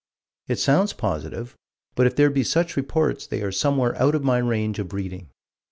It sounds positive, but if there be such reports they are somewhere out of my range of reading.